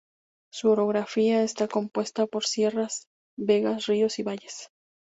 Su orografía está compuesta por sierras, vegas, ríos y valles.